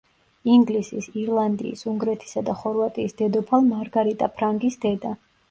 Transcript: ინგლისის, ირლანდიის, უნგრეთისა და ხორვატიის დედოფალ მარგარიტა ფრანგის დედა.